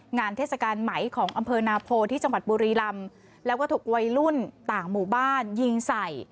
เทศกาลไหมของอำเภอนาโพที่จังหวัดบุรีลำแล้วก็ถูกวัยรุ่นต่างหมู่บ้านยิงใส่